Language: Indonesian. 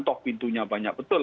toh pintunya banyak betul